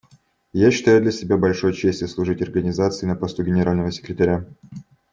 Я считаю для себя большой честью служить Организации на посту Генерального секретаря.